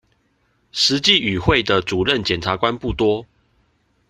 實際與會的主任檢察官不多